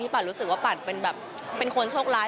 ที่ฟันรู้สึกว่าฟันเป็นตัวคนโชคร้าย